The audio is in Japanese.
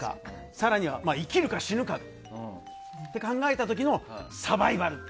更には生きるか死ぬかって考えた時のサバイバル！